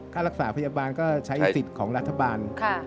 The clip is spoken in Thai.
ค่ารักษาพยาบาลก็ใช้สิทธิ์ของรัฐบาล